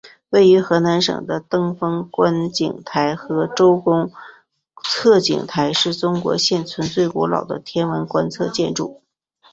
位于河南省的登封观星台和周公测景台是中国现存最古老的天文观测建筑。